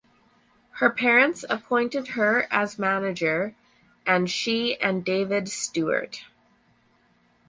Her parents appointed her as manager and she and David Steuart.